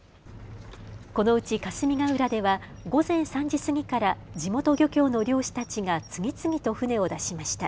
このうち霞ヶ浦では午前３時過ぎから地元漁協の漁師たちが次々と船を出しました。